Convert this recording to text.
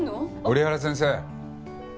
折原先生。